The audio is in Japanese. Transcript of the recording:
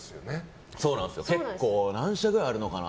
何社くらいあるのかな。